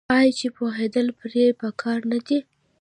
آیا چې پوهیدل پرې پکار نه دي؟